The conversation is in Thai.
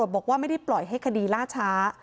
บอกว่าไม่ได้ปล่อยให้คดีล่าช้า